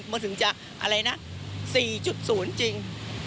เพราะถึงจะ๔๐จริง